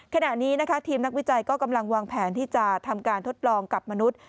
ขณะนี้นะคะทีมนักวิจัยก็กำลังวางแผนที่จะทำการทดลองกับมนุษย์